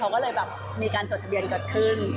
เขาก็เลยแบบมีการจดทะเบียนเกิดขึ้น